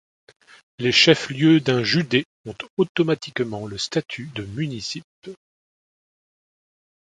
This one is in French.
Les chef-lieux d'un județ ont automatiquement le statut de municipe.